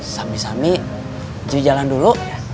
sami sami cuci jalan dulu